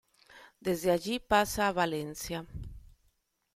Desde allí pasa a Valencia.